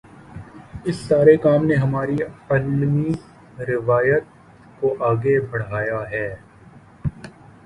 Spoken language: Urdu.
اس سارے کام نے ہماری علمی روایت کو آگے بڑھایا ہے۔